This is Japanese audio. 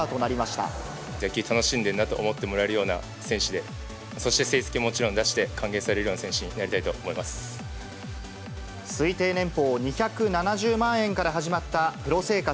野球楽しんでるなと思ってもらえるような選手で、そして成績をもちろん出して、歓迎されるよ推定年俸２７０万円から始まったプロ生活。